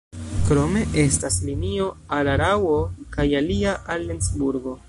Krome estas linio al Araŭo kaj alia al Lencburgo.